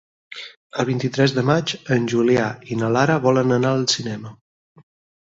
El vint-i-tres de maig en Julià i na Lara volen anar al cinema.